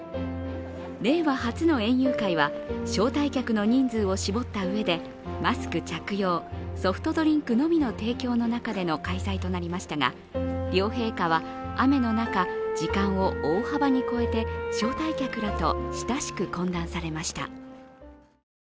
令和初の園遊会は招待客の人数を絞ったうえでマスク着用、ソフトドリンクのみの提供の中での開催となりましたが両陛下は雨の中、時間を大幅に超えて招待客らと親しく懇談されました。